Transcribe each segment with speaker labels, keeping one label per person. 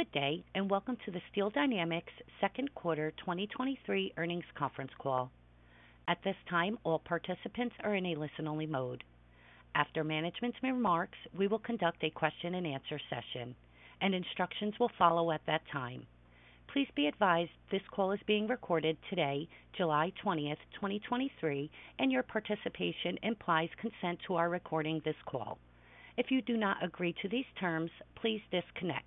Speaker 1: Good day. Welcome to the Steel Dynamics Second Quarter 2023 earnings conference call. At this time, all participants are in a listen-only mode. After management's remarks, we will conduct a question-and-answer session, and instructions will follow at that time. Please be advised this call is being recorded today, July 20, 2023, and your participation implies consent to our recording this call. If you do not agree to these terms, please disconnect.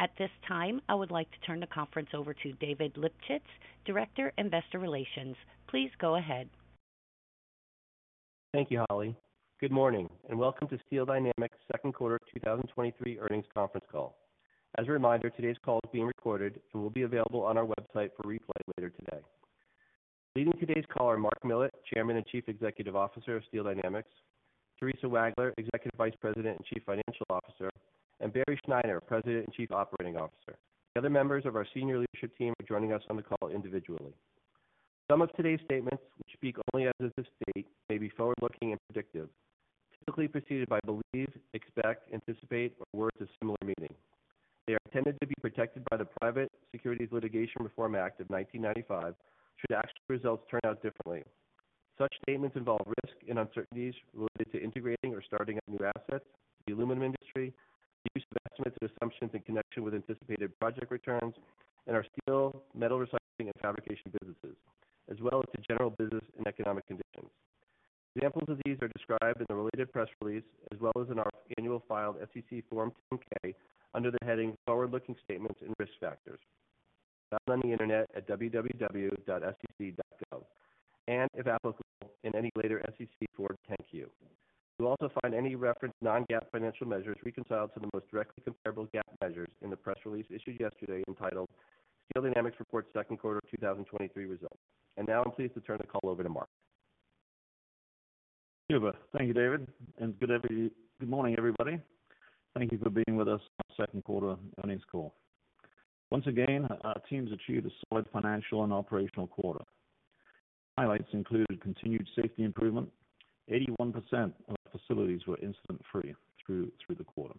Speaker 1: At this time, I would like to turn the conference over to David Lipschitz, Director, Investor Relations. Please go ahead.
Speaker 2: Thank you, Holly. Good morning, welcome to Steel Dynamics Second Quarter 2023 earnings conference call. As a reminder, today's call is being recorded and will be available on our website for replay later today. Leading today's call are Mark Millett, Chairman and Chief Executive Officer of Steel Dynamics, Theresa Wagler, Executive Vice President and Chief Financial Officer, and Barry Schneider, President and Chief Operating Officer. The other members of our senior leadership team are joining us on the call individually. Some of today's statements, which speak only as of this date, may be forward-looking and predictive, typically preceded by believe, expect, anticipate, or words of similar meaning. They are intended to be protected by the Private Securities Litigation Reform Act of 1995 should actual results turn out differently. Such statements involve risk and uncertainties related to integrating or starting up new assets, the aluminum industry, the use of estimates and assumptions in connection with anticipated project returns, and our steel, metal recycling, and fabrication businesses, as well as to general business and economic conditions. Examples of these are described in the related press release, as well as in our annual filed SEC Form 10-K, under the heading Forward-Looking Statements and Risk Factors. Found on the Internet at www.sec.gov, and, if applicable, in any later SEC Form 10-Q. You'll also find any referenced non-GAAP financial measures reconciled to the most directly comparable GAAP measures in the press release issued yesterday entitled Steel Dynamics Reports Second Quarter 2023 Results. Now I'm pleased to turn the call over to Mark.
Speaker 3: Thank you, David. Good morning, everybody. Thank you for being with us on our second quarter earnings call. Once again, our teams achieved a solid financial and operational quarter. Highlights included continued safety improvement. 81% of our facilities were incident-free through the quarter.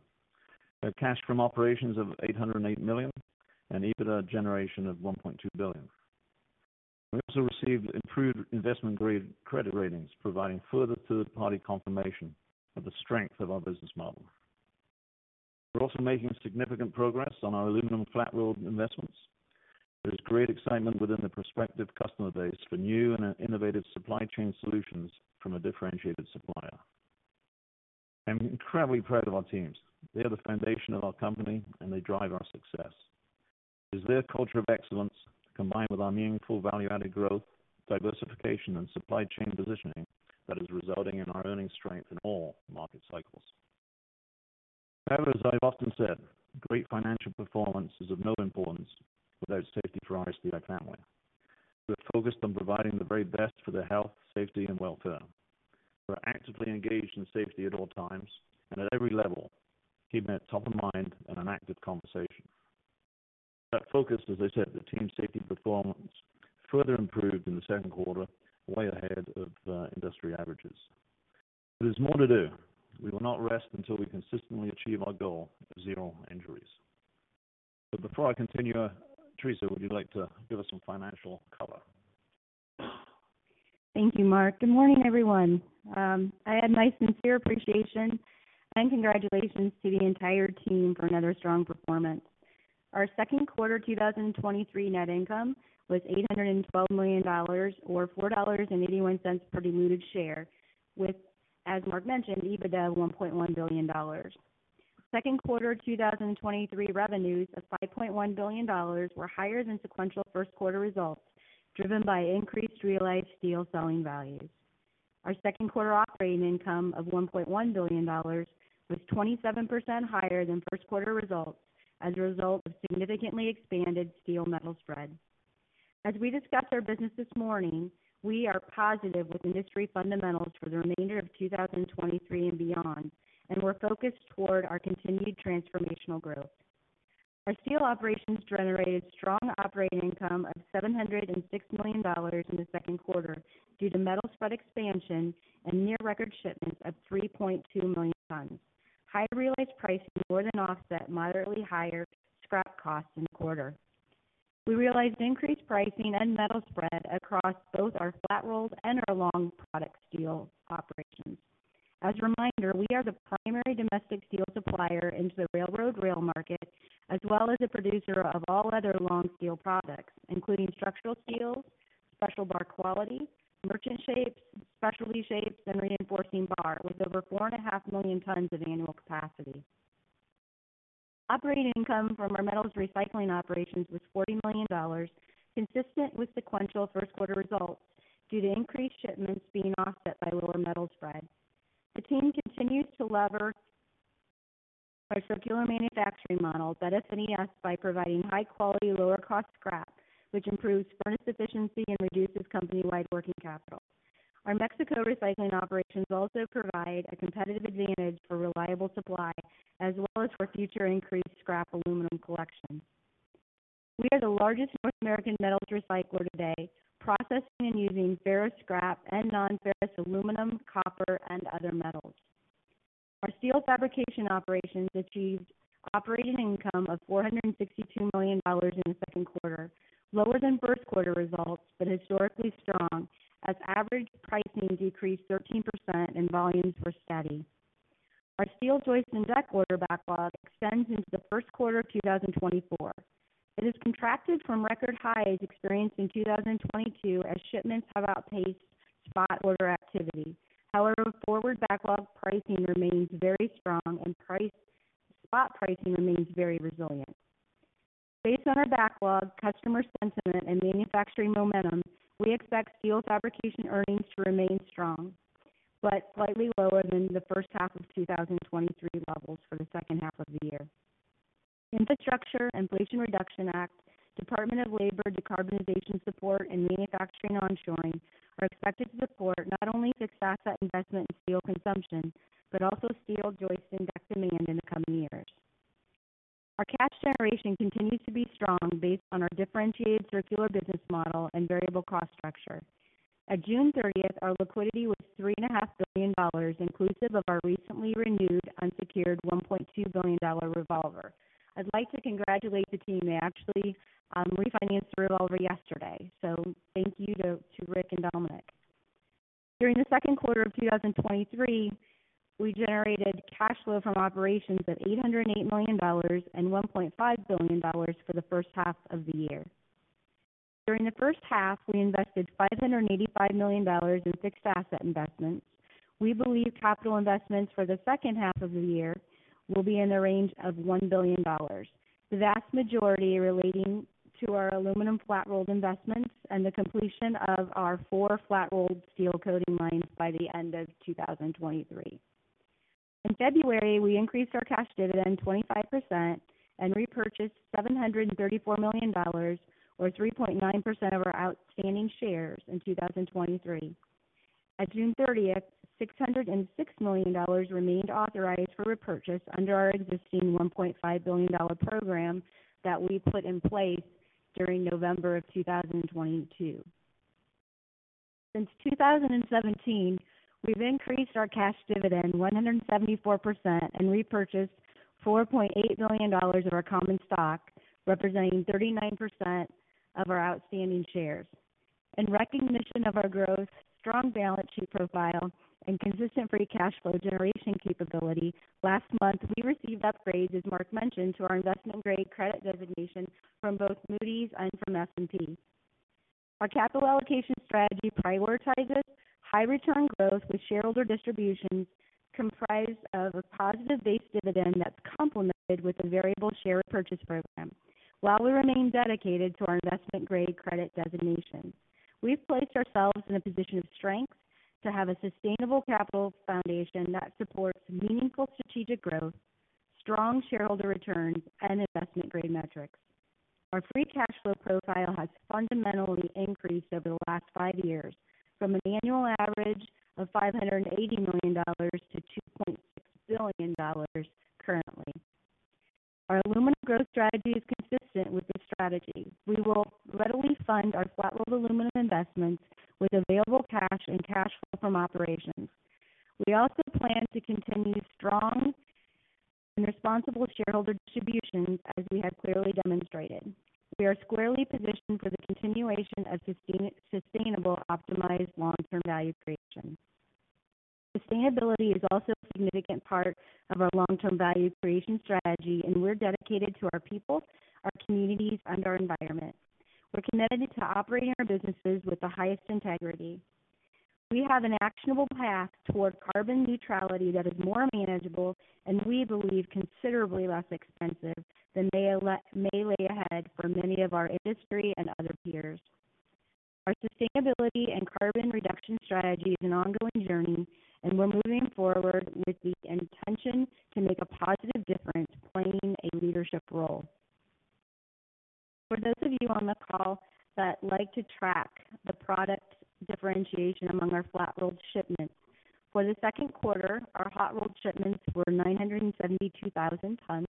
Speaker 3: We had cash from operations of $808 million and EBITDA generation of $1.2 billion. We also received improved investment-grade credit ratings, providing further third-party confirmation of the strength of our business model. We're also making significant progress on our aluminum flat-rolled investments. There is great excitement within the prospective customer base for new and innovative supply chain solutions from a differentiated supplier. I'm incredibly proud of our teams. They are the foundation of our company, and they drive our success. It is their culture of excellence, combined with our meaningful value-added growth, diversification, and supply chain positioning, that is resulting in our earnings strength in all market cycles. As I've often said, great financial performance is of no importance without safety for our SDI family. We are focused on providing the very best for their health, safety, and welfare. We're actively engaged in safety at all times and at every level, keeping it top of mind and an active conversation. That focus, as I said, the team safety performance, further improved in the second quarter, way ahead of industry averages. There's more to do. We will not rest until we consistently achieve our goal of zero injuries. Before I continue, Theresa, would you like to give us some financial color?
Speaker 4: Thank you, Mark. Good morning, everyone. I add my sincere appreciation and congratulations to the entire team for another strong performance. Our second quarter 2023 net income was $812 million, or $4.81 per diluted share, with, as Mark mentioned, EBITDA $1.1 billion. Second quarter 2023 revenues of $5.1 billion were higher than sequential first quarter results, driven by increased realized steel selling values. Our second quarter operating income of $1.1 billion was 27% higher than first quarter results as a result of significantly expanded steel metal spread. As we discuss our business this morning, we are positive with industry fundamentals for the remainder of 2023 and beyond, and we're focused toward our continued transformational growth. Our Steel Dynamics operations generated strong operating income of $706 million in the second quarter due to metal spread expansion and near-record shipments of 3.2 million tons. Higher realized pricing more than offset moderately higher scrap costs in the quarter. We realized increased pricing and metal spread across both our flat-rolled and our long product steel operations. As a reminder, we are the primary domestic steel supplier into the railroad rail market, as well as a producer of all other long steel products, including structural steel, special bar quality, merchant shapes, specialty shapes, and reinforcing bar, with over 4.5 million tons of annual capacity. Operating income from our metals recycling operations was $40 million, consistent with sequential first quarter results, due to increased shipments being offset by lower metal spread. The team continues to lever our circular manufacturing model at SNES by providing high quality, lower-cost scrap, which improves furnace efficiency and reduces company-wide working capital. Our Mexico recycling operations also provide a competitive advantage for reliable supply as well as for future increased scrap aluminum collection. We are the largest North American metals recycler today, processing and using ferrous scrap and non-ferrous aluminum, copper, and other metals. Our steel fabrication operations achieved operating income of $462 million in the second quarter, lower than first quarter results, but historically strong as average pricing decreased 13% and volumes were steady. Our steel joist and deck order backlog extends into the first quarter of 2024. It has contracted from record highs experienced in 2022 as shipments have outpaced spot order activity. However, forward backlog pricing remains very strong and price-- spot pricing remains very resilient. Based on our backlog, customer sentiment, and manufacturing momentum, we expect steel fabrication earnings to remain strong, but slightly lower than the first half of 2023 levels for the second half of the year. Infrastructure, Inflation Reduction Act, Department of Labor, decarbonization support, and manufacturing onshoring are expected to support not only fixed asset investment and steel consumption, but also steel joist and deck demand in the coming years. Our cash generation continues to be strong based on our differentiated circular business model and variable cost structure. At June 30th, our liquidity was $3.5 billion, inclusive of our recently renewed unsecured $1.2 billion revolver. I'd like to congratulate the team. They actually refinanced the revolver yesterday. Thank you to Rick and Dominic. During the second quarter of 2023, we generated cash flow from operations of $808 million and $1.5 billion for the first half of the year. During the first half, we invested $585 million in fixed asset investments. We believe capital investments for the second half of the year will be in the range of $1 billion. The vast majority relating to our aluminum flat-rolled investments and the completion of our four flat-rolled steel coating lines by the end of 2023. In February, we increased our cash dividend 25% and repurchased $734 million, or 3.9% of our outstanding shares in 2023. At June 30th, $606 million remained authorized for repurchase under our existing $1.5 billion program that we put in place during November 2022. Since 2017, we've increased our cash dividend 174% and repurchased $4.8 billion of our common stock, representing 39% of our outstanding shares. In recognition of our growth, strong balance sheet profile, and consistent free cash flow generation capability, last month, we received upgrades, as Mark mentioned, to our investment-grade credit designation from both Moody's and from S&P. Our capital allocation strategy prioritizes high return growth with shareholder distributions comprised of a positive base dividend that's complemented with a variable share repurchase program. While we remain dedicated to our investment-grade credit designation, we've placed ourselves in a position of strength to have a sustainable capital foundation that supports meaningful strategic growth, strong shareholder returns, and investment-grade metrics. Our free cash flow profile has fundamentally increased over the last five years from an annual average of $580 million-$2.6 billion currently. Our aluminum growth strategy is consistent with this strategy. We will readily fund our flat-rolled aluminum investments with available cash and cash flow from operations. We also plan to continue strong and responsible shareholder distributions, as we have clearly demonstrated. We are squarely positioned for the continuation of sustainable, optimized, long-term value creation. Sustainability is also a significant part of our long-term value creation strategy. We're dedicated to our people, our communities, and our environment. We're committed to operating our businesses with the highest integrity. We have an actionable path toward carbon neutrality that is more manageable and we believe considerably less expensive than may lay ahead for many of our industry and other peers. Our sustainability and carbon reduction strategy is an ongoing journey, and we're moving forward with the intention to make a positive difference, playing a leadership role. For those of you on the call that like to track the product differentiation among our flat-rolled shipments, for the second quarter, our hot-rolled shipments were 972,000 tons,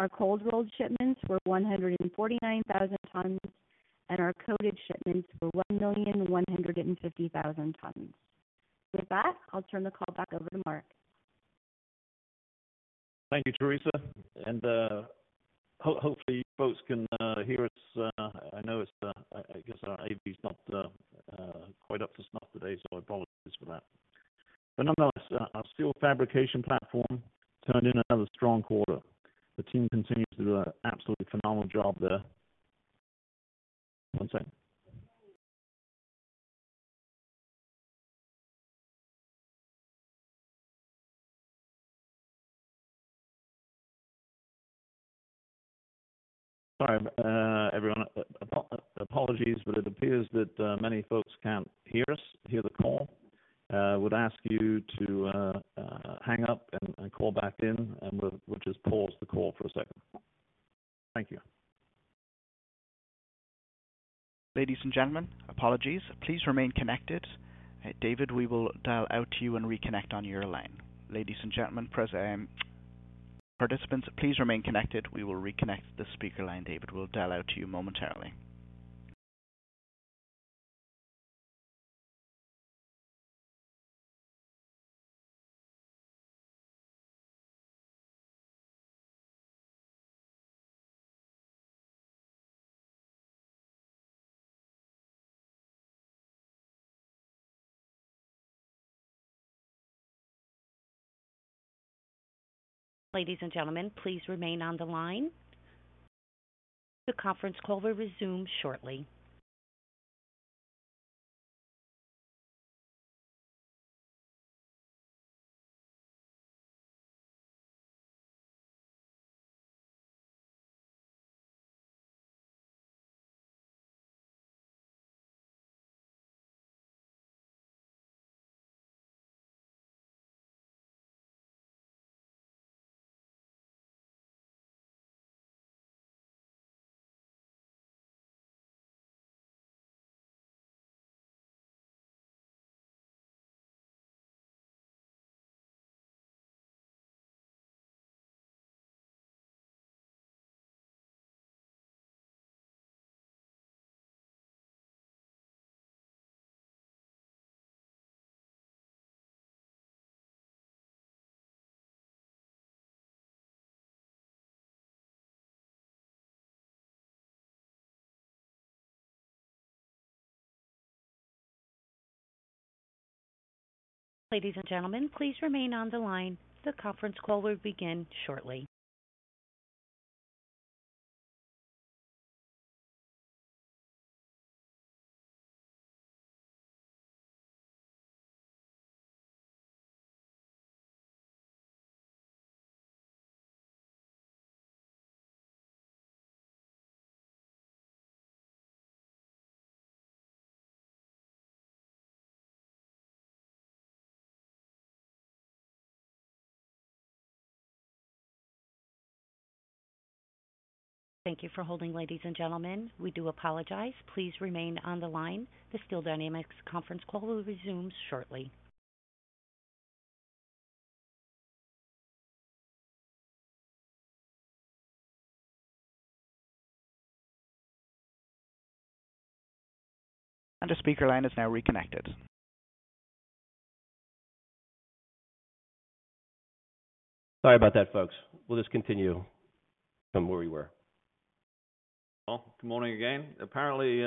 Speaker 4: our cold-rolled shipments were 149,000 tons, and our coated shipments were 1,150,000 tons. With that, I'll turn the call back over to Mark.
Speaker 3: Thank you, Theresa. Hopefully, you folks can hear us. I know it's, I guess our AV is not quite up to snuff today, so I apologize for that. Nonetheless, our steel fabrication platform turned in another strong quarter. The team continues to do an absolutely phenomenal job there. One second. Sorry, everyone. Apologies, but it appears that many folks can't hear us, hear the call. I would ask you to hang up and call back in, and we'll just pause the call for a second. Thank you.
Speaker 1: Ladies and gentlemen, apologies. Please remain connected. David, we will dial out to you and reconnect on your line. Ladies and gentlemen, press, participants, please remain connected. We will reconnect the speaker line. David, we'll dial out to you momentarily. Ladies and gentlemen, please remain on the line. The conference call will resume shortly. Ladies and gentlemen, please remain on the line. The conference call will begin shortly. Thank you for holding, ladies and gentlemen. We do apologize. Please remain on the line. The Steel Dynamics conference call will resume shortly. The speaker line is now reconnected.
Speaker 2: Sorry about that, folks. We'll just continue from where we were.
Speaker 3: Well, good morning again. Apparently,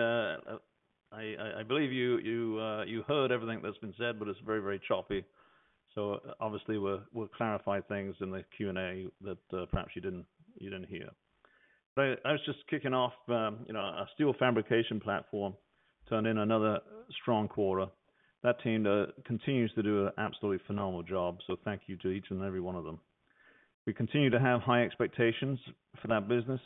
Speaker 3: I believe you heard everything that's been said, but it's very choppy. Obviously, we'll clarify things in the Q&A that perhaps you didn't hear. I was just kicking off, you know, our steel fabrication platform turned in another strong quarter. That team continues to do an absolutely phenomenal job. Thank you to each and every one of them. We continue to have high expectations for that business,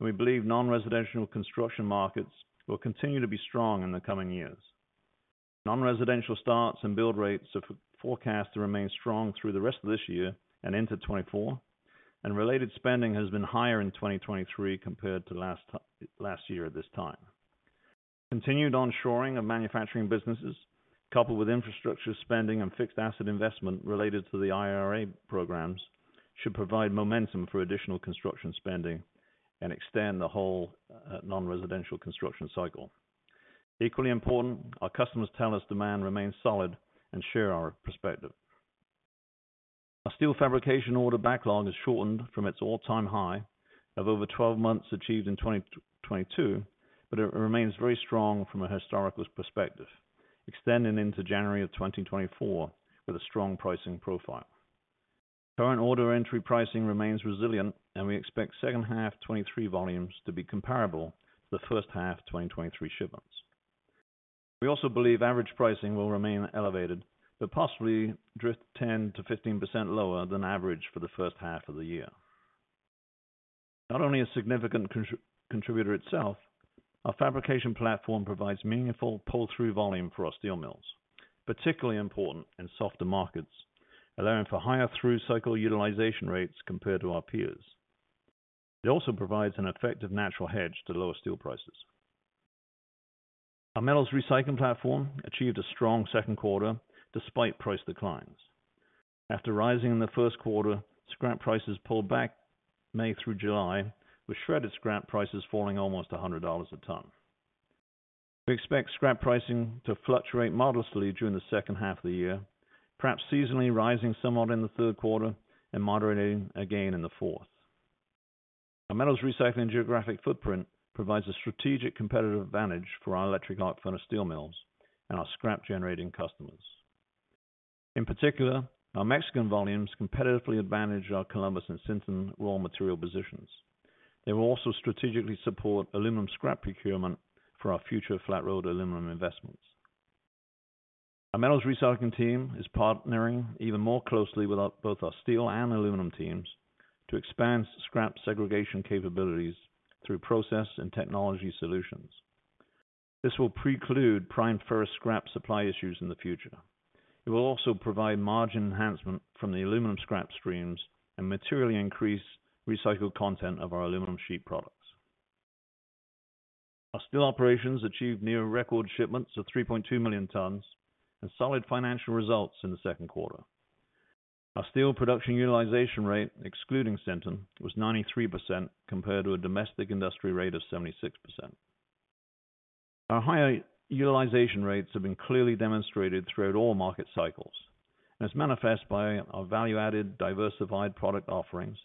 Speaker 3: and we believe non-residential construction markets will continue to be strong in the coming years. Non-residential starts and build rates are forecast to remain strong through the rest of this year and into 2024. Related spending has been higher in 2023 compared to last year at this time. Continued onshoring of manufacturing businesses, coupled with infrastructure spending and fixed asset investment related to the IRA programs, should provide momentum for additional construction spending and extend the whole non-residential construction cycle. Equally important, our customers tell us demand remains solid and share our perspective. Our steel fabrication order backlog has shortened from its all-time high of over 12 months, achieved in 2022. It remains very strong from a historical perspective, extending into January of 2024 with a strong pricing profile. Current order entry pricing remains resilient. We expect second half 2023 volumes to be comparable to the first half of 2023 shipments. We also believe average pricing will remain elevated, possibly drift 10%-15% lower than average for the first half of the year. Not only a significant contributor itself, our fabrication platform provides meaningful pull-through volume for our steel mills, particularly important in softer markets, allowing for higher through-cycle utilization rates compared to our peers. It also provides an effective natural hedge to lower steel prices. Our metals recycling platform achieved a strong second quarter despite price declines. After rising in the first quarter, scrap prices pulled back May through July, with shredded scrap prices falling almost $100 a ton. We expect scrap pricing to fluctuate modestly during the second half of the year, perhaps seasonally rising somewhat in the third quarter and moderating again in the fourth. Our metals recycling geographic footprint provides a strategic competitive advantage for our electric arc furnace steel mills and our scrap-generating customers. In particular, our Mexican volumes competitively advantage our Columbus and Sinton raw material positions. They will also strategically support aluminum scrap procurement for our future flat-rolled aluminum investments. Our metals recycling team is partnering even more closely with our both our steel and aluminum teams to expand scrap segregation capabilities through process and technology solutions. This will preclude prime ferrous scrap supply issues in the future. It will also provide margin enhancement from the aluminum scrap streams and materially increase recycled content of our aluminum sheet products. Our steel operations achieved near record shipments of 3.2 million tons and solid financial results in the second quarter. Our steel production utilization rate, excluding Sinton, was 93%, compared to a domestic industry rate of 76%. Our higher utilization rates have been clearly demonstrated throughout all market cycles. It's manifest by our value-added, diversified product offerings,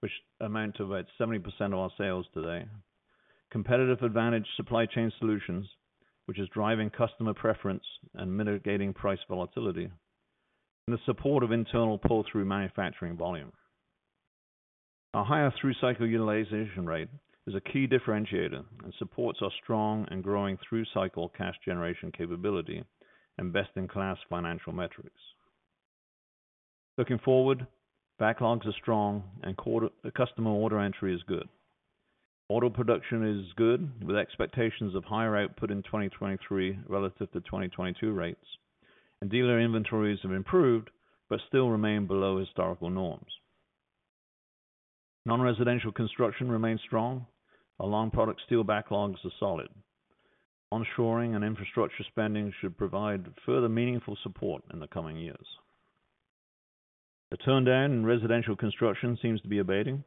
Speaker 3: which amount to about 70% of our sales today. Competitive advantage supply chain solutions, which is driving customer preference and mitigating price volatility, and the support of internal pull-through manufacturing volume. Our higher through-cycle utilization rate is a key differentiator and supports our strong and growing through-cycle cash generation capability and best-in-class financial metrics. Looking forward, backlogs are strong and customer order entry is good. Auto production is good, with expectations of higher output in 2023 relative to 2022 rates. Dealer inventories have improved but still remain below historical norms. Non-residential construction remains strong. Our long product steel backlogs are solid. Onshoring and infrastructure spending should provide further meaningful support in the coming years. The turndown in residential construction seems to be abating.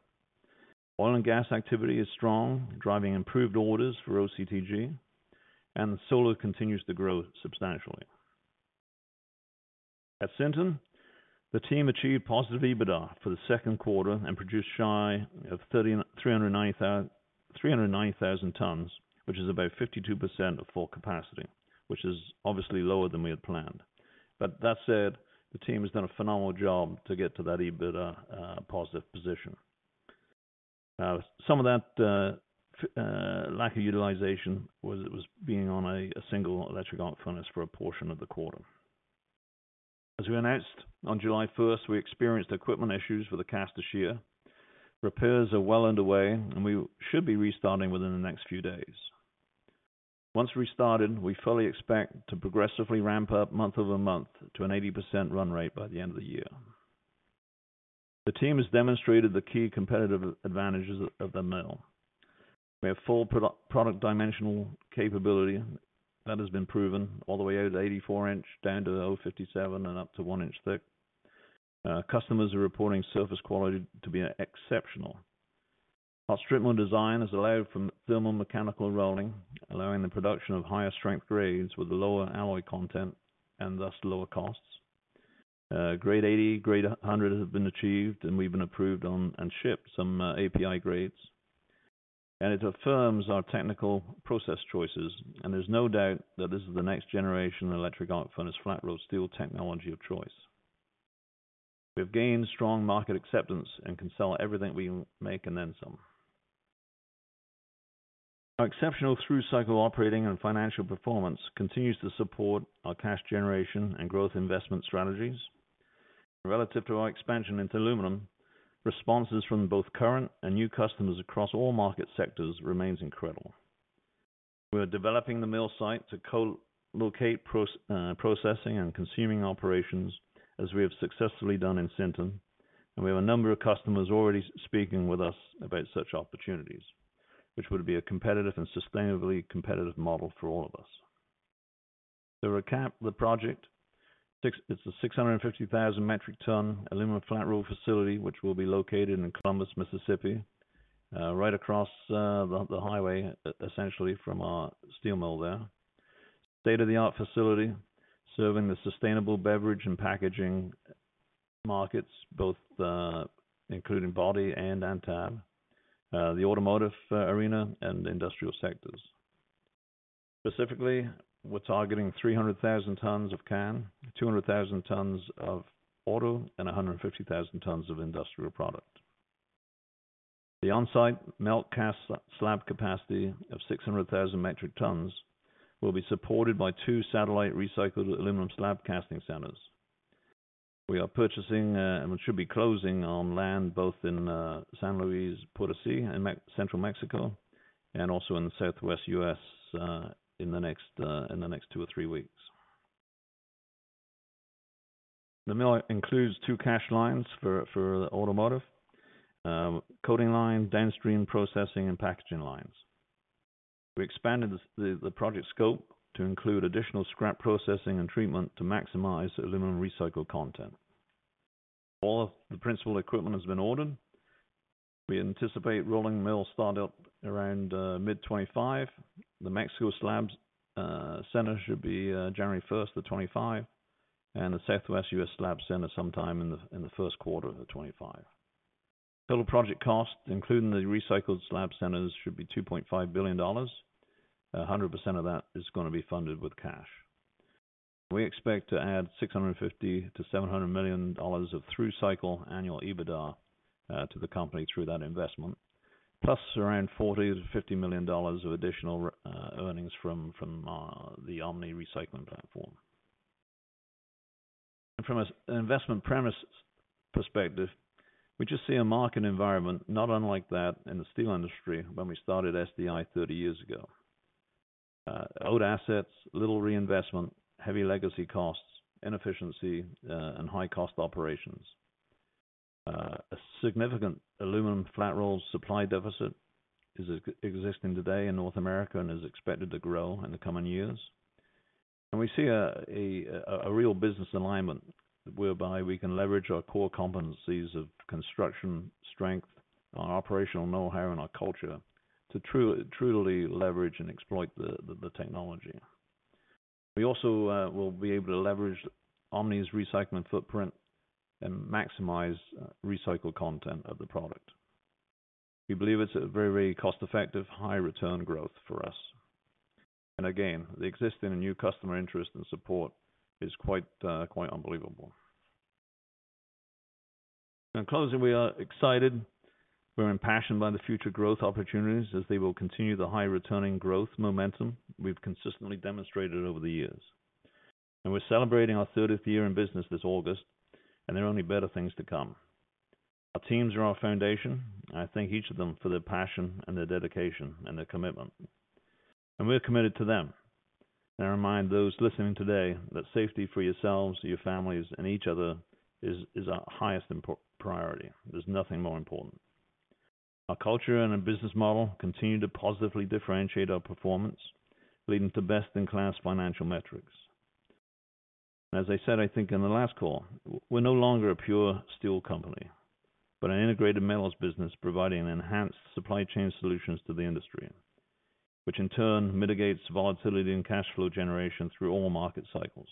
Speaker 3: Oil and gas activity is strong, driving improved orders for OCTG. Solar continues to grow substantially. At Sinton, the team achieved positive EBITDA for the second quarter and produced shy of 390,000 tons, which is about 52% of full capacity, which is obviously lower than we had planned. That said, the team has done a phenomenal job to get to that EBITDA positive position. Some of that lack of utilization was being on a single electric arc furnace for a portion of the quarter. As we announced on July 1st, we experienced equipment issues with the caster shear. Repairs are well underway, and we should be restarting within the next few days. Once restarted, we fully expect to progressively ramp up month-over-month to an 80% run rate by the end of the year. The team has demonstrated the key competitive advantages of the mill. We have full product dimensional capability that has been proven all the way out to 84-inch, down to 0.057, and up to 1-inch thick. Customers are reporting surface quality to be exceptional. Our strip mill design has allowed for thermomechanical rolling, allowing the production of higher strength grades with lower alloy content and thus lower costs. Grade 80, grade 100 have been achieved, and we've been approved on and shipped some API grades. It affirms our technical process choices, and there's no doubt that this is the next generation of electric arc furnace flat-rolled steel technology of choice. We've gained strong market acceptance and can sell everything we make and then some. Our exceptional through-cycle operating and financial performance continues to support our cash generation and growth investment strategies. Relative to our expansion into aluminum, responses from both current and new customers across all market sectors remains incredible. We are developing the mill site to co-locate processing and consuming operations, as we have successfully done in Sinton. We have a number of customers already speaking with us about such opportunities, which would be a competitive and sustainably competitive model for all of us. To recap the project, it's a 650,000 metric ton aluminum flat roll facility, which will be located in Columbus, Mississippi, right across the highway, essentially from our steel mill there. State-of-the-art facility, serving the sustainable beverage and packaging markets, both including body and tab, the automotive arena and industrial sectors. Specifically, we're targeting 300,000 tons of can, 200,000 tons of auto, and 150,000 tons of industrial product. The on-site melt cast slab capacity of 600,000 metric tons will be supported by two satellite recycled aluminum slab casting centers. We are purchasing, and we should be closing on land both in San Luis Potosí in central Mexico, and also in the southwest U.S., in the next two or three weeks. The mill includes cash lines for automotive coating line, downstream processing, and packaging lines. We expanded the project scope to include additional scrap processing and treatment to maximize aluminum recycled content. All of the principal equipment has been ordered. We anticipate rolling mill start up around mid 2025. The Mexico slabs center should be January 1st, 2025, and the Southwest U.S. slab center sometime in the first quarter of 2025. Total project cost, including the recycled slab centers, should be $2.5 billion. 100% of that is gonna be funded with cash. We expect to add $650 million-$700 million of through-cycle annual EBITDA to the company through that investment, plus around $40 million-$50 million of additional earnings from the OmniSource recycling platform. From an investment premise perspective, we just see a market environment not unlike that in the steel industry when we started SDI 30 years ago. Old assets, little reinvestment, heavy legacy costs, inefficiency, and high cost operations. A significant aluminum flat roll supply deficit is existing today in North America and is expected to grow in the coming years. We see a real business alignment whereby we can leverage our core competencies of construction, strength, our operational know-how, and our culture to truly leverage and exploit the technology. We also will be able to leverage OmniSource's recycling footprint and maximize recycled content of the product. We believe it's a very cost-effective, high return growth for us. Again, the existing and new customer interest and support is quite unbelievable. In closing, we are excited. We're impassioned by the future growth opportunities as they will continue the high returning growth momentum we've consistently demonstrated over the years. We're celebrating our 30th year in business this August. There are only better things to come. Our teams are our foundation. I thank each of them for their passion and their dedication and their commitment. We're committed to them. I remind those listening today that safety for yourselves, your families, and each other is our highest priority. There's nothing more important. Our culture and our business model continue to positively differentiate our performance, leading to best-in-class financial metrics. As I said, I think in the last call, we're no longer a pure steel company, but an integrated metals business, providing enhanced supply chain solutions to the industry, which in turn mitigates volatility and cash flow generation through all market cycles.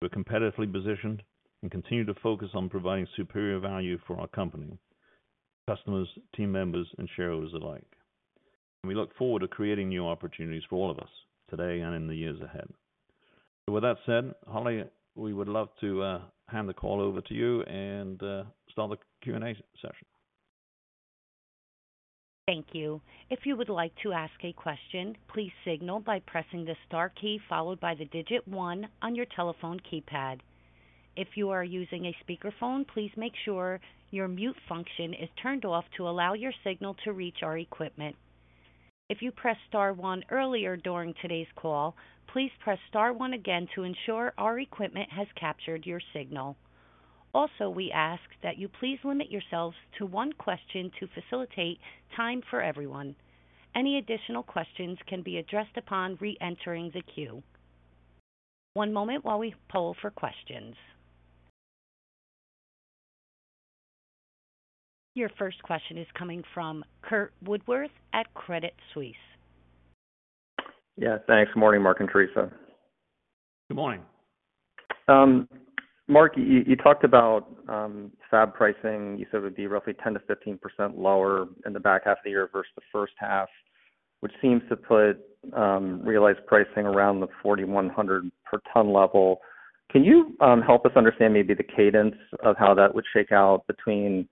Speaker 3: We're competitively positioned and continue to focus on providing superior value for our company, customers, team members and shareholders alike. We look forward to creating new opportunities for all of us today and in the years ahead. With that said, Holly, we would love to hand the call over to you and start the Q&A session.
Speaker 1: Thank you. If you would like to ask a question, please signal by pressing the star key followed by the digit 1 on your telephone keypad. If you are using a speakerphone, please make sure your mute function is turned off to allow your signal to reach our equipment. If you pressed star 1 earlier during today's call, please press star 1 again to ensure our equipment has captured your signal. We also ask that you please limit yourselves to 1 question to facilitate time for everyone. Any additional questions can be addressed upon reentering the queue. 1 moment while we poll for questions. Your first question is coming from Curt Woodworth at Credit Suisse.
Speaker 5: Yeah, thanks. Morning, Mark and Theresa.
Speaker 3: Good morning.
Speaker 5: Mark, you talked about, fab pricing. You said it would be roughly 10%-15% lower in the back half of the year versus the first half, which seems to put, realized pricing around the $4,100 per ton level. Can you, help us understand maybe the cadence of how that would shake out between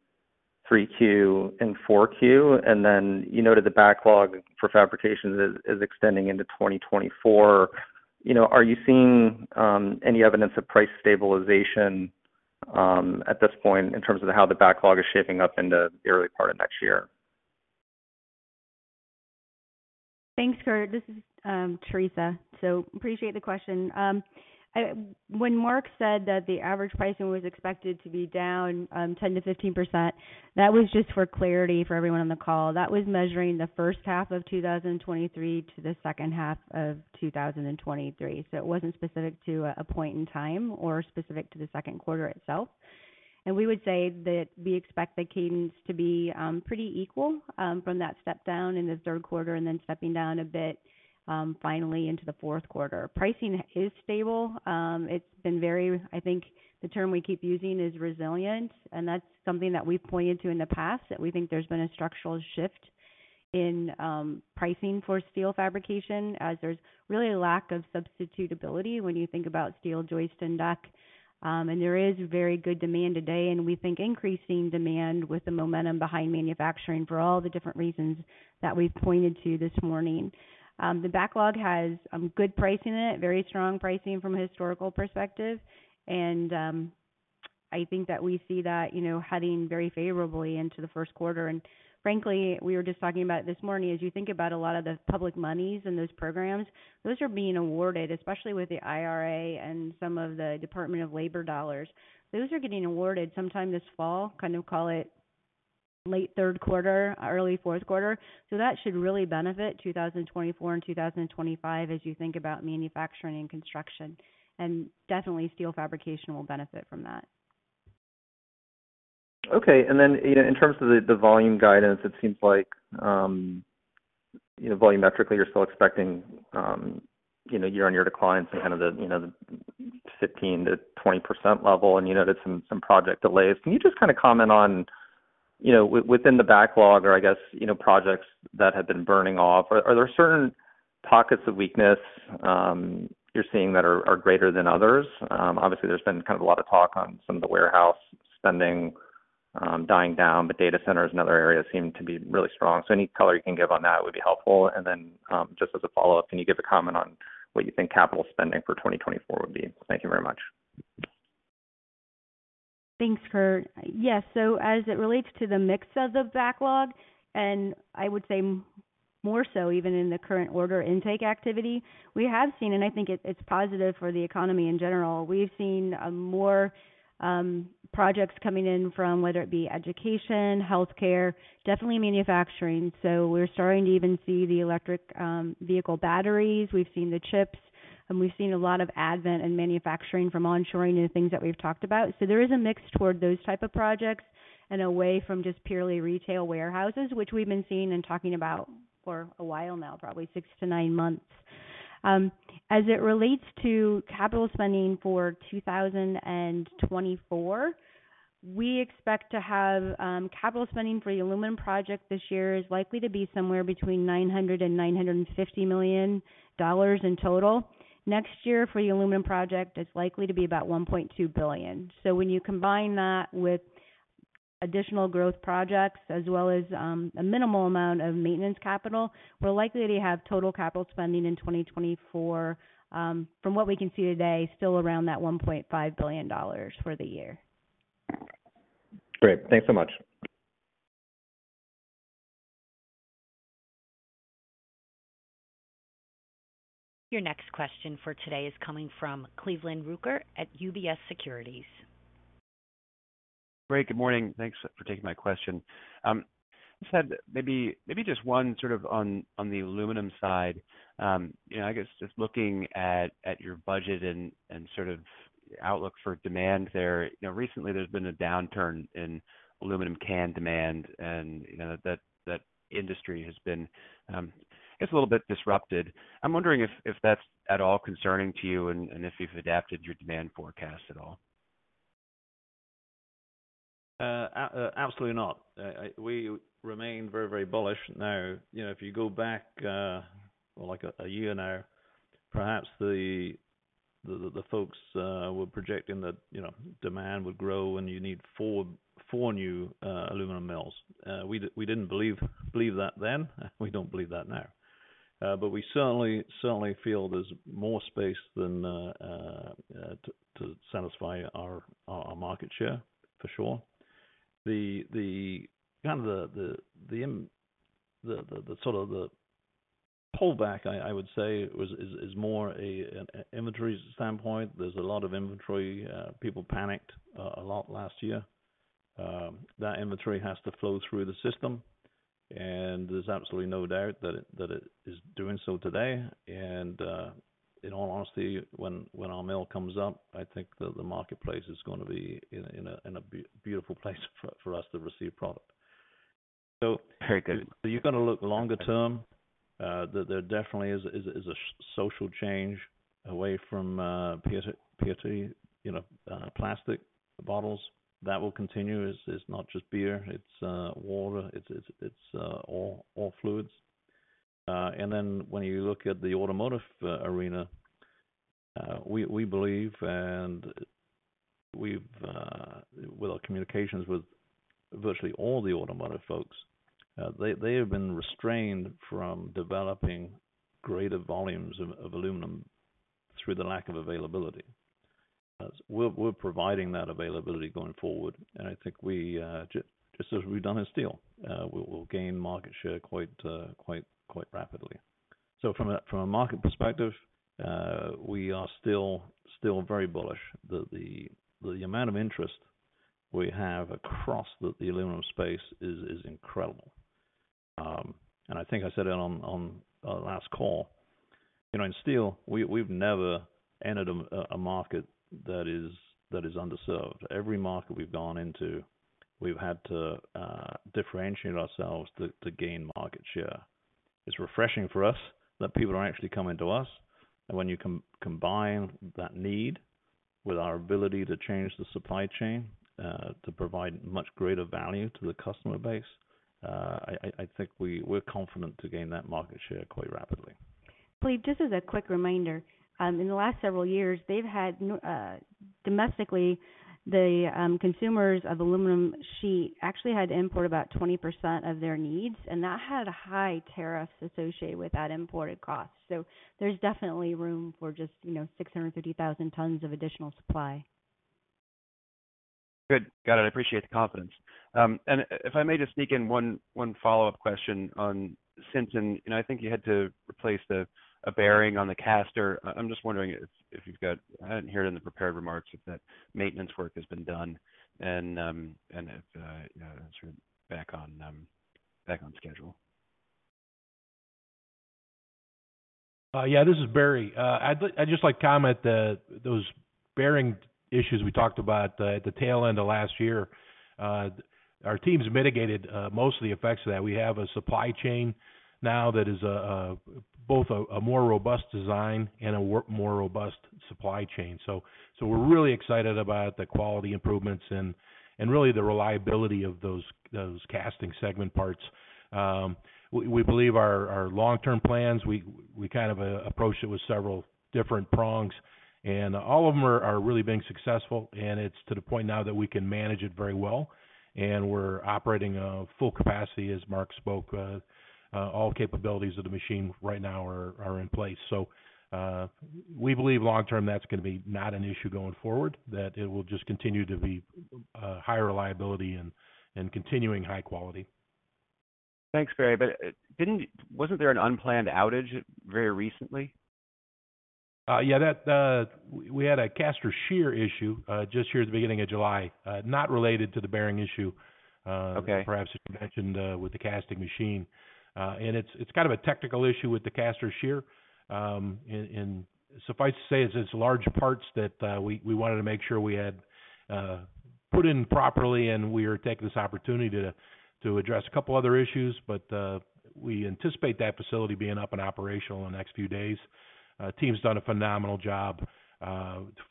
Speaker 5: 3Q and 4Q? Then you noted the backlog for fabrication is extending into 2024. You know, are you seeing, any evidence of price stabilization, at this point in terms of how the backlog is shaping up in the early part of next year?
Speaker 4: Thanks, Curt. This is Theresa. Appreciate the question. When Mark said that the average pricing was expected to be down 10%-15%, that was just for clarity for everyone on the call. That was measuring the first half of 2023 to the second half of 2023. It wasn't specific to a point in time or specific to the second quarter itself. We would say that we expect the cadence to be pretty equal from that step down in the third quarter and then stepping down a bit finally into the fourth quarter. Pricing is stable. It's been very, I think the term we keep using is resilient, that's something that we've pointed to in the past, that we think there's been a structural shift in pricing for steel fabrication, as there's really a lack of substitutability when you think about steel joist and deck. There is very good demand today, and we think increasing demand with the momentum behind manufacturing for all the different reasons that we've pointed to this morning. The backlog has good pricing in it, very strong pricing from a historical perspective. I think that we see that, you know, heading very favorably into the first quarter. We were just talking about this morning, as you think about a lot of the public monies and those programs, those are being awarded, especially with the IRA and some of the Department of Labor dollars. Those are getting awarded sometime this fall, kind of call it late third quarter, early fourth quarter. That should really benefit 2024 and 2025, as you think about manufacturing and construction. Definitely steel fabrication will benefit from that.
Speaker 5: Okay, you know, in terms of the volume guidance, it seems like volumetrically, you're still expecting year-on-year declines in the 15%-20% level. You noted some project delays. Can you just comment on, you know, within the backlog or I guess, you know, projects that have been burning off, are there certain pockets of weakness you're seeing that are greater than others? Obviously, there's been a lot of talk on some of the warehouse spending dying down. Data centers and other areas seem to be really strong. Any color you can give on that would be helpful. Just as a follow-up, can you give a comment on what you think capital spending for 2024 would be? Thank you very much.
Speaker 4: Thanks, Curt. As it relates to the mix of the backlog, and I would say more so even in the current order intake activity, we have seen, and I think it's positive for the economy in general. We've seen more projects coming in from whether it be education, healthcare, definitely manufacturing. We're starting to even see the electric vehicle batteries. We've seen the chips, and we've seen a lot of advent in manufacturing from onshoring, new things that we've talked about. There is a mix toward those type of projects and away from just purely retail warehouses, which we've been seeing and talking about for a while now, probably six to nine months. As it relates to capital spending for 2024, we expect to have capital spending for the aluminum project this year is likely to be somewhere between $900 million-$950 million in total. Next year, for the aluminum project, it's likely to be about $1.2 billion. When you combine that with additional growth projects, as well as a minimal amount of maintenance capital, we're likely to have total capital spending in 2024, from what we can see today, still around that $1.5 billion for the year.
Speaker 3: Great. Thanks so much.
Speaker 1: Your next question for today is coming from Cleveland Rueckert at UBS Securities.
Speaker 6: Great, good morning, thanks for taking my question. I said maybe just one sort of on the aluminum side. you know, I guess just looking at your budget and sort of outlook for demand there, you know, recently there's been a downturn in aluminum can demand, and, you know, that industry has been, I guess, a little bit disrupted. I'm wondering if that's at all concerning to you and if you've adapted your demand forecast at all?
Speaker 3: Absolutely not. We remain very bullish. Now, you know, if you go back, like a year now, perhaps the folks were projecting that, you know, demand would grow and you need four new aluminum mills. We didn't believe that then, we don't believe that now. We certainly feel there's more space than to satisfy our market share, for sure. The kind of the sort of the pullback, I would say, was more an inventory standpoint. There's a lot of inventory. People panicked a lot last year. That inventory has to flow through the system, and there's absolutely no doubt that it is doing so today. in all honesty, when our mill comes up, I think the marketplace is going to be in a beautiful place for us to receive product.
Speaker 6: Very good.
Speaker 3: You're going to look longer term. There definitely is a social change away from PET, you know, plastic bottles. That will continue. It's not just beer, it's water, it's all fluids. When you look at the automotive arena, we believe and we've with our communications with virtually all the automotive folks, they have been restrained from developing greater volumes of aluminum through the lack of availability. We're providing that availability going forward, and I think we, just as we've done in steel, we'll gain market share quite rapidly. From a market perspective, we are very bullish. The amount of interest we have across the aluminum space is incredible. I think I said it on our last call. You know, in steel, we've never entered a market that is underserved. Every market we've gone into, we've had to differentiate ourselves to gain market share. It's refreshing for us that people are actually coming to us. When you combine that need with our ability to change the supply chain, to provide much greater value to the customer base, I think we're confident to gain that market share quite rapidly.
Speaker 4: Believe, just as a quick reminder, in the last several years, they've had domestically, the consumers of aluminum sheet actually had to import about 20% of their needs, and that had a high tariff associated with that imported cost. There's definitely room for just, you know, 650,000 tons of additional supply.
Speaker 6: Good. Got it, I appreciate the confidence. If I may just sneak in one follow-up question on Sinton. I think you had to replace a bearing on the caster. I'm just wondering if I didn't hear it in the prepared remarks, if that maintenance work has been done and, you know, sort of back on schedule.
Speaker 7: Yeah, this is Barry. I'd just like to comment that those bearing issues we talked about at the tail end of last year, our team's mitigated most of the effects of that. We have a supply chain now that is both a more robust design and a more robust supply chain. We're really excited about the quality improvements and really the reliability of those casting segment parts. We believe our long-term plans, we kind of approached it with several different prongs, and all of them are really being successful, and it's to the point now that we can manage it very well, and we're operating full capacity, as Mark spoke. All capabilities of the machine right now are in place. We believe long term, that's going to be not an issue going forward, that it will just continue to be, higher reliability and continuing high quality.
Speaker 6: Thanks, Barry. Wasn't there an unplanned outage very recently?
Speaker 7: Yeah, that, we had a caster shear issue, just here at the beginning of July, not related to the bearing issue.
Speaker 6: Okay.
Speaker 7: perhaps you mentioned with the casting machine. It's kind of a technical issue with the caster shear. Suffice to say, it's large parts that we wanted to make sure we had put in properly, and we are taking this opportunity to address a couple other issues. We anticipate that facility being up and operational in the next few days. Team's done a phenomenal job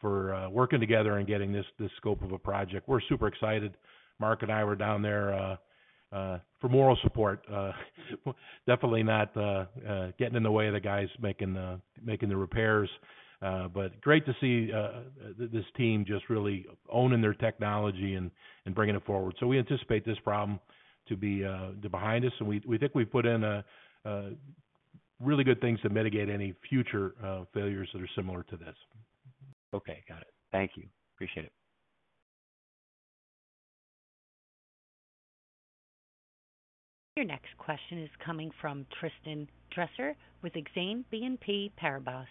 Speaker 7: for working together and getting this scope of a project. We're super excited. Mark and I were down there for moral support, definitely not getting in the way of the guys making the repairs. Great to see this team just really owning their technology and bringing it forward. We anticipate this problem to be behind us, and we think we've put in a really good things to mitigate any future failures that are similar to this.
Speaker 6: Okay. Got it. Thank you. Appreciate it.
Speaker 1: Your next question is coming from Tristan Gresser with Exane BNP Paribas.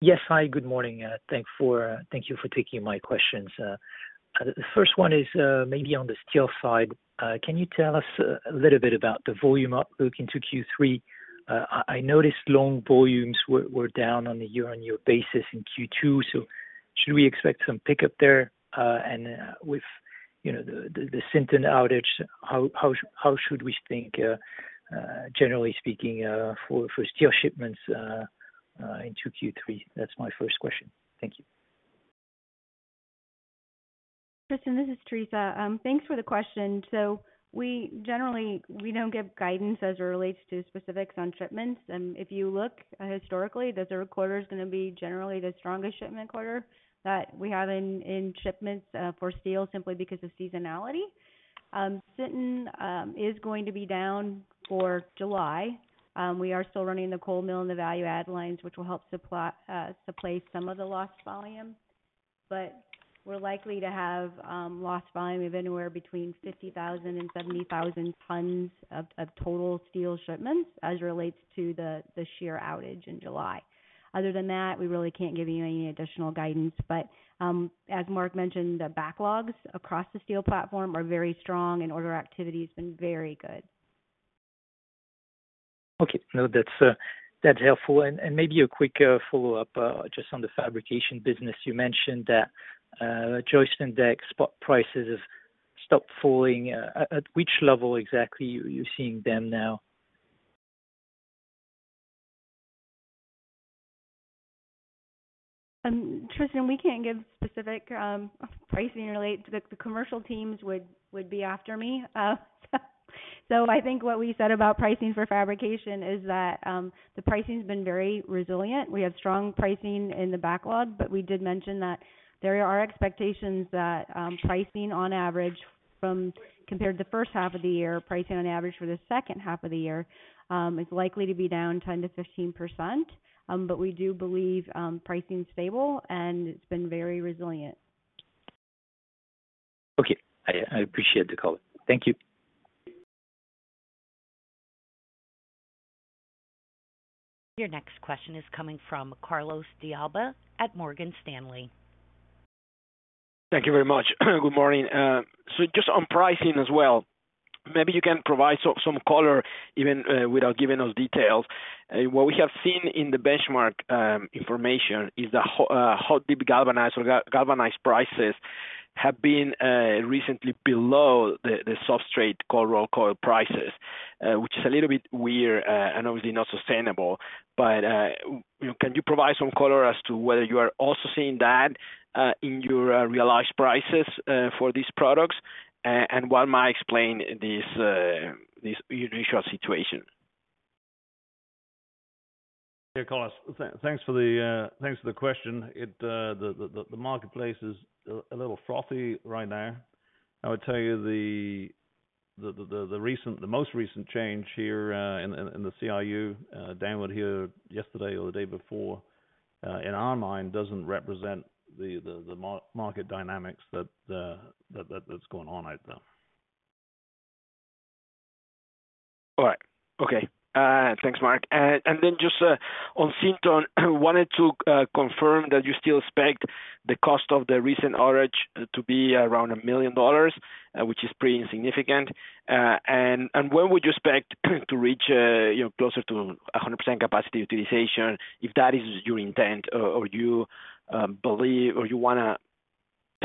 Speaker 8: Yes. Hi, good morning. Thank you for taking my questions. The first one is maybe on the steel side. Can you tell us a little bit about the volume outlook into Q3? I noticed long volumes were down on a year-on-year basis in Q2, so should we expect some pickup there? With, you know, the Sinton outage, how should we think generally speaking for steel shipments into Q3? That's my first question. Thank you.
Speaker 4: Tristan, this is Theresa. Thanks for the question. We generally, we don't give guidance as it relates to specifics on shipments. If you look historically, the third quarter is gonna be generally the strongest shipment quarter that we have in shipments for steel, simply because of seasonality. Sinton is going to be down for July. We are still running the cold mill and the value add lines, which will help supply some of the lost volume. We're likely to have lost volume of anywhere between 50,000 and 70,000 tons of total steel shipments as it relates to the shear outage in July. Other than that, we really can't give you any additional guidance. As Mark mentioned, the backlogs across the steel platform are very strong, and order activity has been very good.
Speaker 8: Okay. No, that's that's helpful. Maybe a quick follow-up just on the fabrication business. You mentioned that joist and deck spot prices have stopped falling. At which level exactly are you seeing them now?
Speaker 4: Tristan, we can't give specific pricing relates. The commercial teams would be after me. I think what we said about pricing for fabrication is that the pricing has been very resilient. We have strong pricing in the backlog, but we did mention that there are expectations that pricing on average compared to the first half of the year, pricing on average for the second half of the year, is likely to be down 10%-15%. We do believe pricing is stable, and it's been very resilient.
Speaker 8: Okay. I appreciate the call. Thank you.
Speaker 1: Your next question is coming from Carlos de Alba at Morgan Stanley.
Speaker 9: Thank you very much. Good morning. Just on pricing as well, maybe you can provide some color, even without giving us details. What we have seen in the benchmark information is the hot-dip galvanized or galvanized prices have been recently below the substrate cold-rolled coil prices, which is a little bit weird, and obviously not sustainable. Can you provide some color as to whether you are also seeing that in your realized prices for these products? What might explain this unusual situation?
Speaker 7: Carlos, thanks for the question. It, the marketplace is a little frothy right now. I would tell you the recent, the most recent change here, in the CRU, downward here yesterday or the day before, in our mind, doesn't represent the market dynamics that's going on out there.
Speaker 9: All right. Okay. Thanks, Mark. Just on Sinton, wanted to confirm that you still expect the cost of the recent outage to be around $1 million, which is pretty insignificant. When would you expect to reach, you know, closer to 100% capacity utilization, if that is your intent? Or, or you believe, or you wanna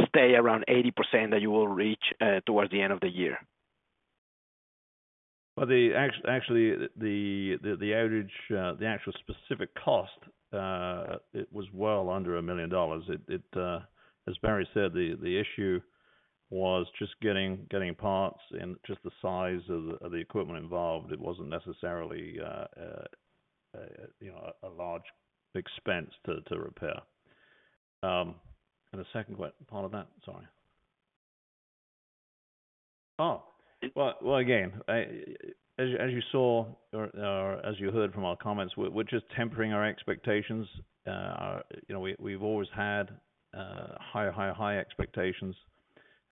Speaker 9: stay around 80%, that you will reach towards the end of the year?
Speaker 7: Actually, the outage, the actual specific cost, it was well under $1 million. It, as Barry said, the issue was just getting parts and just the size of the equipment involved. It wasn't necessarily, you know, a large expense to repair. The second part of that? Sorry. Again, I, as you saw, or as you heard from our comments, we're just tempering our expectations. You know, we've always had high, high, high expectations.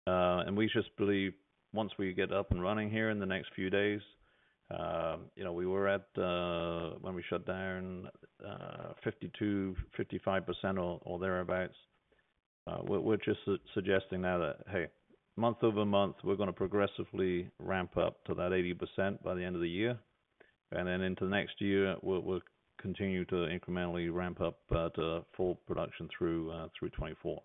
Speaker 3: We just believe once we get up and running here in the next few days, you know, we were at, when we shut down, 52%-55% or thereabouts. We're just suggesting now that, hey, month-over-month, we're gonna progressively ramp up to that 80% by the end of the year. Into next year, we'll continue to incrementally ramp up that full production through 2024.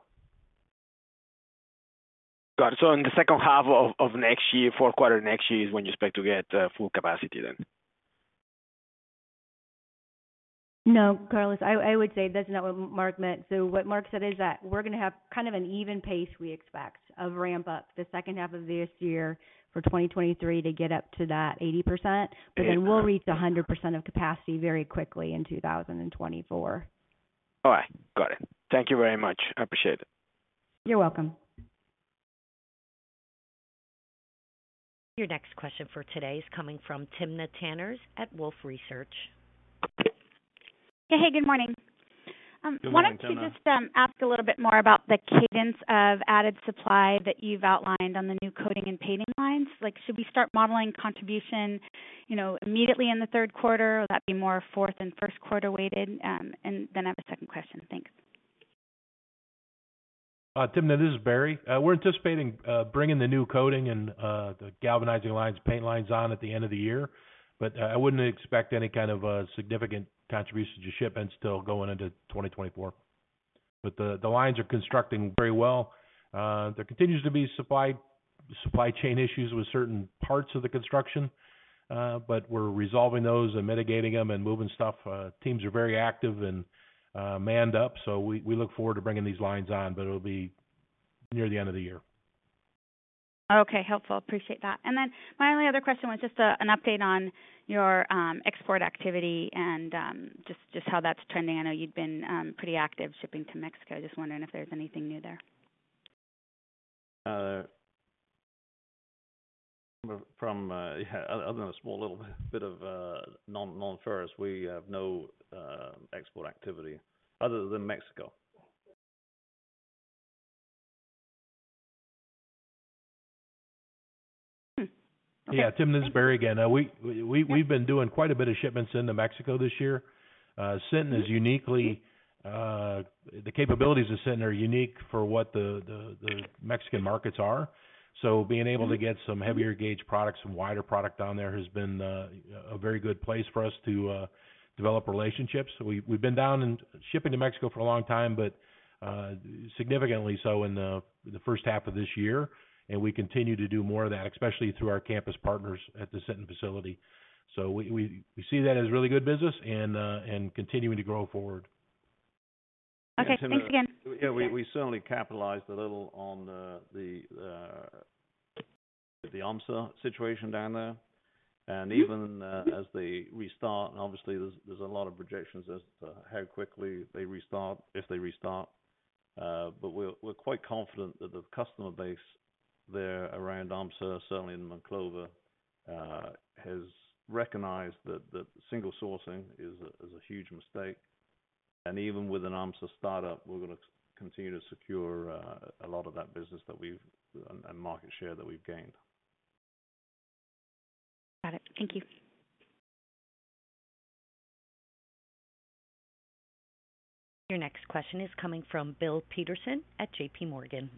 Speaker 10: Got it. In the second half of next year, fourth quarter next year is when you expect to get full capacity then?
Speaker 4: Carlos, I would say that's not what Mark meant. What Mark said is that we're gonna have kind of an even pace, we expect, of ramp up the second half of this year for 2023 to get up to that 80%. We'll reach 100% of capacity very quickly in 2024.
Speaker 10: All right. Got it. Thank you very much. I appreciate it.
Speaker 4: You're welcome.
Speaker 1: Your next question for today is coming from Timna Tanners at Wolfe Research.
Speaker 11: Hey, good morning.
Speaker 3: Good morning, Timna.
Speaker 11: Wanted to just ask a little bit more about the cadence of added supply that you've outlined on the new coating and painting lines. Like, should we start modeling contribution, you know, immediately in the third quarter, or would that be more fourth and first quarter weighted? I have a second question. Thanks.
Speaker 7: Timna, this is Barry. We're anticipating bringing the new coating and the galvanizing lines, paint lines on at the end of the year. I wouldn't expect any kind of a significant contribution to shipments till going into 2024. The lines are constructing very well. There continues to be supply chain issues with certain parts of the construction, but we're resolving those and mitigating them and moving stuff. Teams are very active and manned up, so we look forward to bringing these lines on, but it'll be near the end of the year.
Speaker 11: Okay, helpful. Appreciate that. My only other question was just an update on your export activity and just how that's trending. I know you've been pretty active shipping to Mexico. Just wondering if there's anything new there.
Speaker 3: From other than a small little bit of nonferrous, we have no export activity other than Mexico.
Speaker 7: Yeah, Timna, this is Barry again. We've been doing quite a bit of shipments into Mexico this year. Sinton is uniquely the capabilities of Sinton are unique for what the Mexican markets are. Being able to get some heavier gauge products and wider product down there has been a very good place for us to develop relationships. We've been down and shipping to Mexico for a long time, but significantly so in the first half of this year. We continue to do more of that, especially through our campus partners at the Sinton facility. We see that as really good business and continuing to grow forward.
Speaker 11: Okay, thanks again.
Speaker 3: Yeah, we certainly capitalized a little on the AMSA situation down there. Even as they restart, and obviously there's a lot of projections as to how quickly they restart, if they restart. We're quite confident that the customer base there around AMSA, certainly in Monclova, has recognized that single sourcing is a huge mistake. Even with an AMSA startup, we're gonna continue to secure a lot of that business and market share that we've gained.
Speaker 11: Got it. Thank you.
Speaker 1: Your next question is coming from Bill Peterson at JPMorgan.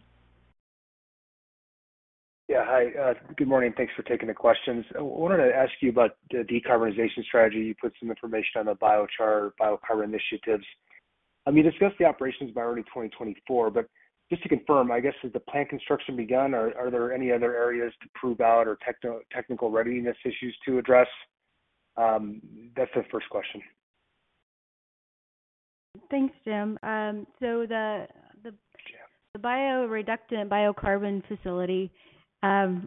Speaker 12: Yeah. Hi, good morning. Thanks for taking the questions. I wanted to ask you about the decarbonization strategy. You put some information on the biochar, biocarbon initiatives. I mean, discuss the operations by early 2024, but just to confirm, I guess, has the plant construction begun, or are there any other areas to prove out or technical readiness issues to address? That's the first question.
Speaker 4: Thanks, Jim.
Speaker 12: Yeah.
Speaker 4: The bioreductant biocarbon facility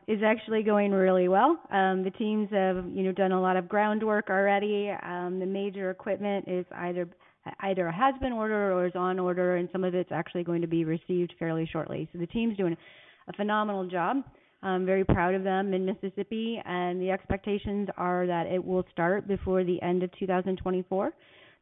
Speaker 4: is actually going really well. The teams have, you know, done a lot of groundwork already. The major equipment is either has been ordered or is on order, and some of it's actually going to be received fairly shortly. The team's doing a phenomenal job. I'm very proud of them in Mississippi, and the expectations are that it will start before the end of 2024.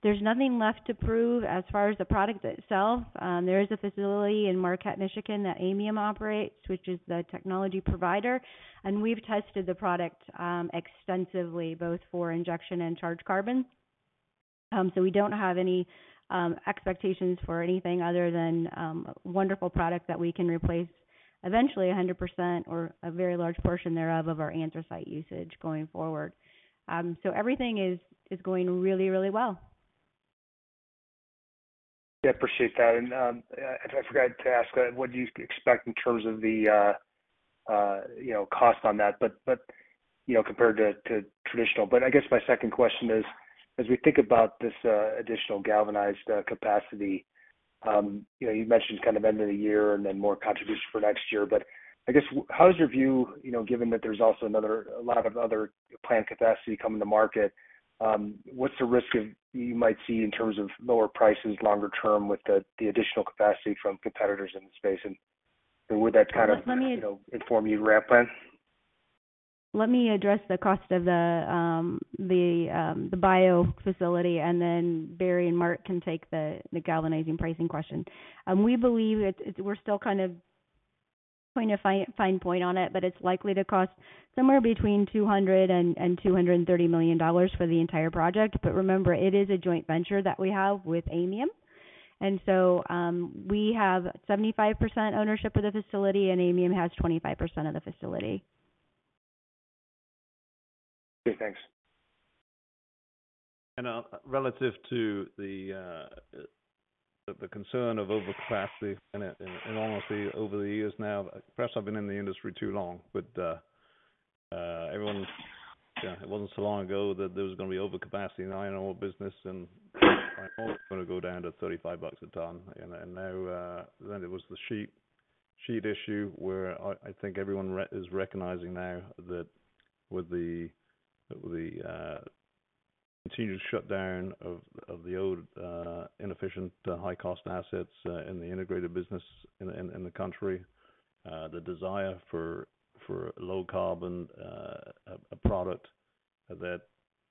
Speaker 4: There's nothing left to prove as far as the product itself. There is a facility in Marquette, Michigan, that Midrex operates, which is the technology provider, and we've tested the product extensively, both for injection and charged carbon. We don't have any expectations for anything other than wonderful product that we can replace eventually 100% or a very large portion thereof, of our anthracite usage going forward. Everything is going really, really well.
Speaker 12: Yeah, appreciate that. I forgot to ask, what do you expect in terms of the, you know, cost on that, but, you know, compared to traditional? I guess my second question is, as we think about this, additional galvanized capacity, you know, you've mentioned kind of end of the year and then more contribution for next year. I guess, how is your view, you know, given that there's also another, a lot of other plant capacity coming to market, what's the risk of you might see in terms of lower prices longer term with the additional capacity from competitors in the space? Would that kind of-
Speaker 4: Let me-
Speaker 12: you know, inform you ramp plan?
Speaker 4: Let me address the cost of the bio facility, and then Barry and Mark can take the galvanizing pricing question. We believe we're still kind of trying to fine point on it, but it's likely to cost somewhere between $200 million and $230 million for the entire project. Remember, it is a joint venture that we have with Midrex, and so, we have 75% ownership of the facility, and Midrex has 25% of the facility.
Speaker 3: Okay, thanks. Relative to the concern of overcapacity and honestly, over the years now, perhaps I've been in the industry too long, everyone... it wasn't so long ago that there was gonna be overcapacity in the iron ore business, and iron ore was gonna go down to $35 a ton. Now, then it was the sheet issue, where I think everyone is recognizing now that with the continued shutdown of the old, inefficient, high-cost assets in the integrated business in the country, the desire for low-carbon product, that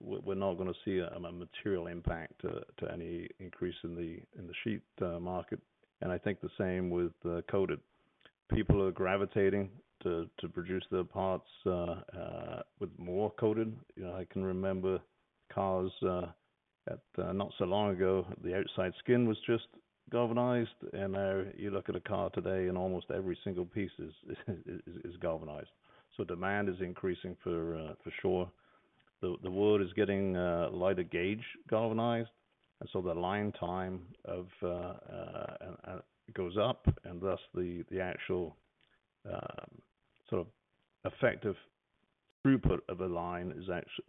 Speaker 3: we're not gonna see a material impact to any increase in the sheet market. I think the same with coated. People are gravitating to produce their parts with more coating. You know, I can remember cars that not so long ago, the outside skin was just galvanized. Now, you look at a car today, and almost every single piece is galvanized. Demand is increasing for sure. The world is getting lighter gauge galvanized, and so the line time of goes up, and thus the actual sort of effective throughput of a line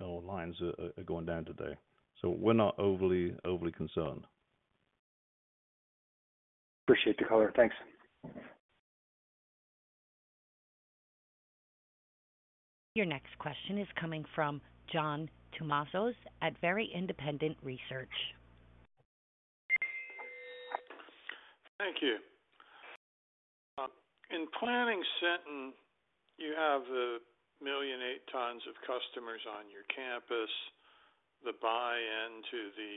Speaker 3: or lines are going down today. We're not overly concerned. Appreciate the color. Thanks.
Speaker 1: Your next question is coming from John Tumazos at Very Independent Research.
Speaker 13: Thank you. In planning Sinton, you have 1.8 million tons of customers on your campus. The buy-in to the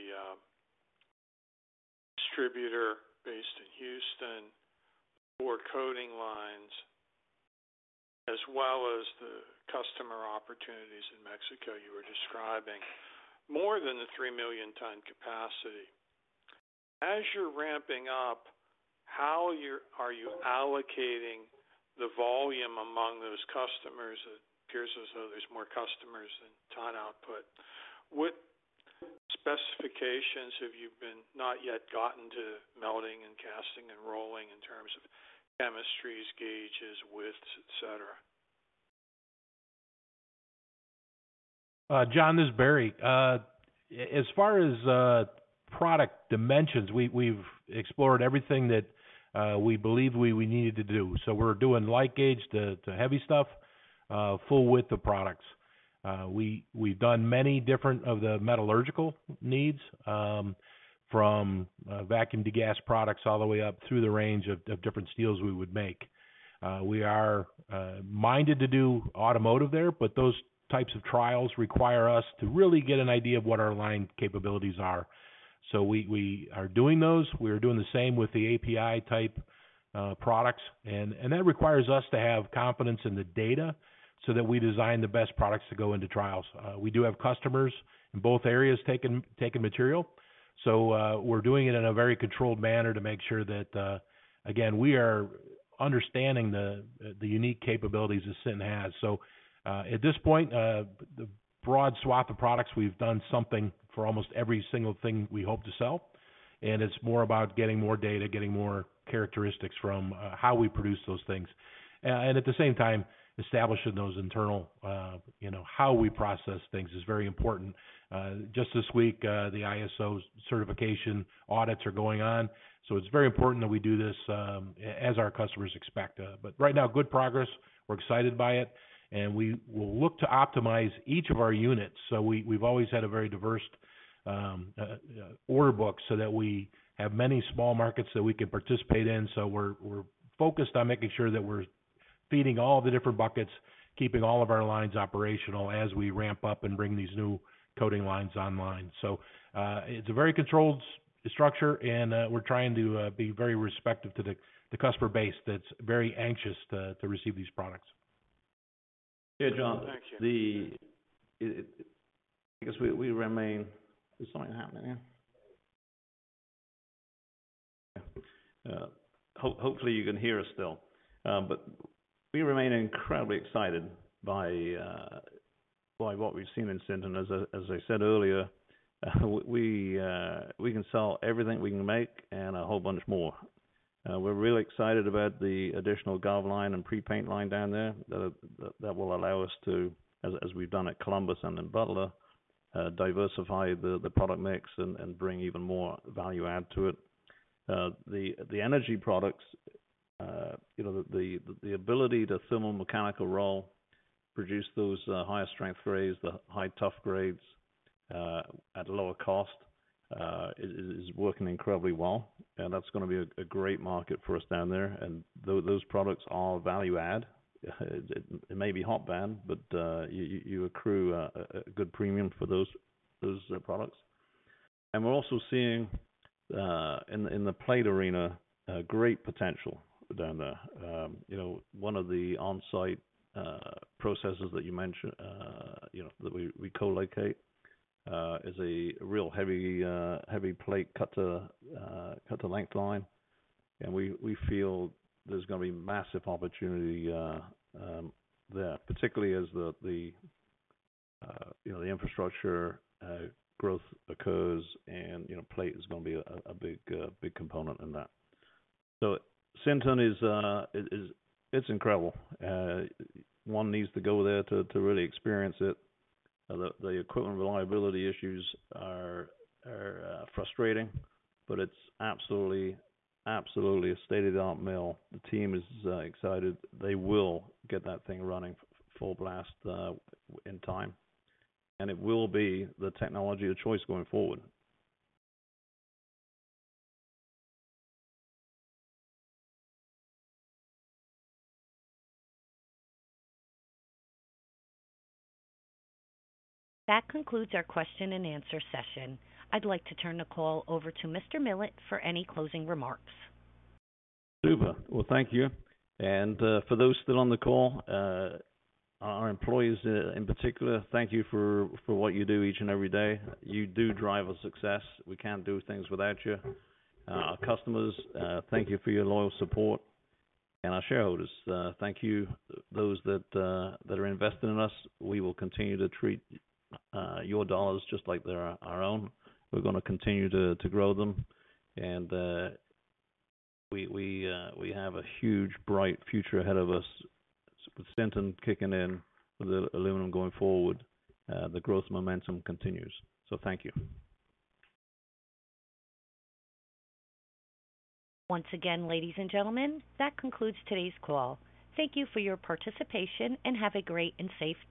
Speaker 13: distributor based in Houston for coating lines, as well as the customer opportunities in Mexico you were describing, more than the 3 million ton capacity. As you're ramping up, how are you allocating the volume among those customers? It appears as though there's more customers than ton output. What specifications have you been not yet gotten to melting, and casting, and rolling in terms of chemistries, gauges, widths, et cetera?
Speaker 7: John, this is Barry. As far as product dimensions, we've explored everything that we believe we needed to do. We're doing light gauge to heavy stuff, full width of products. We've done many different of the metallurgical needs, from vacuum to gas products, all the way up through the range of different steels we would make. We are minded to do automotive there, but those types of trials require us to really get an idea of what our line capabilities are. We are doing those. We are doing the same with the API-type products. That requires us to have confidence in the data, so that we design the best products to go into trials. We do have customers in both areas taking material. We're doing it in a very controlled manner to make sure that again, we are understanding the unique capabilities that Sinton has. At this point, the broad swath of products, we've done something for almost every single thing we hope to sell, and it's more about getting more data, getting more characteristics from how we produce those things. At the same time, establishing those internal, you know, how we process things is very important. Just this week, the ISO certification audits are going on, so it's very important that we do this as our customers expect. Right now, good progress. We're excited by it, and we will look to optimize each of our units. We've always had a very diverse order book, so that we have many small markets that we can participate in. We're focused on making sure that we're feeding all the different buckets, keeping all of our lines operational as we ramp up and bring these new coating lines online. It's a very controlled structure, and we're trying to be very respective to the customer base that's very anxious to receive these products.
Speaker 3: Yeah, John, the. I guess we remain. Is something happening here? Hopefully, you can hear us still. But we remain incredibly excited by what we've seen in Sinton. As I said earlier, we can sell everything we can make and a whole bunch more. We're really excited about the additional galv line and pre-paint line down there, that will allow us to, as we've done at Columbus and in Butler, diversify the product mix and bring even more value add to it. The energy products, you know, the ability to thermomechanical roll, produce those higher strength grades, the high tough grades at a lower cost, is working incredibly well, and that's going to be a great market for us down there. Those products are value-add. It may be hot band, but you accrue a good premium for those products. We're also seeing in the plate arena a great potential down there. You know, one of the on-site processes that you mentioned, you know, that we co-locate is a real heavy heavy plate cutter cut-to-length line. We feel there's gonna be massive opportunity there, particularly as the, you know, the infrastructure growth occurs and, you know, plate is gonna be a big component in that. Sinton is it's incredible. One needs to go there to really experience it. The equipment reliability issues are frustrating, but it's absolutely a state-of-the-art mill. The team is excited. They will get that thing running full blast, in time. It will be the technology of choice going forward.
Speaker 1: That concludes our question and answer session. I'd like to turn the call over to Mr. Millett for any closing remarks.
Speaker 3: Super! Well, thank you. For those still on the call, our employees, in particular, thank you for what you do each and every day. You do drive our success. We can't do things without you. Our customers, thank you for your loyal support. Our shareholders, thank you. Those that are invested in us, we will continue to treat your dollars just like they're our own. We're gonna continue to grow them, and we have a huge, bright future ahead of us. With Sinton kicking in, with the aluminum going forward, the growth momentum continues. Thank you.
Speaker 1: Once again, ladies and gentlemen, that concludes today's call. Thank you for your participation, and have a great and safe day.